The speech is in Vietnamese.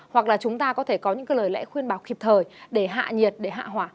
hoặc là chúng ta có thể có những lời lẽ khuyên bảo kịp thời để hạ nhiệt để hạ hỏa